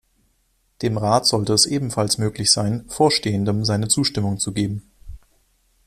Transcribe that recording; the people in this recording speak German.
Dem Rat sollte es ebenfalls möglich sein, Vorstehendem seine Zustimmung zu geben.